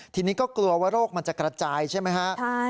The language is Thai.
ทีนี้ก็กลัวว่าโรคมันจะกระจายใช่ไหมฮะ